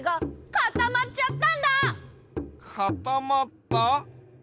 かたまった？